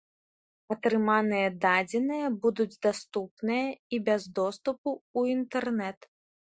Атрыманыя дадзеныя будуць даступныя і без доступу ў інтэрнэт.